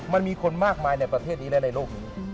มันมีคนมากมายในประเทศนี้และในโลกนี้